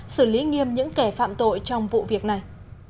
xử lý nghiêm những kẻ phạm tội trong vụ việc này